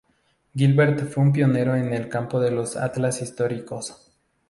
Gilbert fue un pionero en el campo de los atlas históricos.